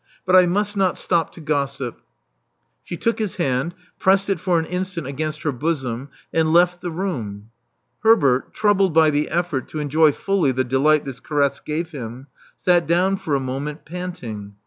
But I must not stop to gossip." She took his hand; pressed it for an instant against her bosom ; and left the room. Herbert, troubled by the effort to enjoy fully the delight this caress gave him, sat down for a moment, panting.